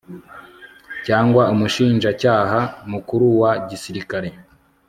cyangwa Umushinjacyaha Mukuru wa gisirikare